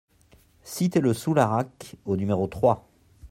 Cité le Soularac au numéro trois